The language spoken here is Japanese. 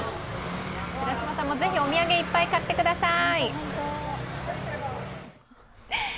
寺島さんもぜひお土産いっぱい買ってください。